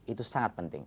itu sangat penting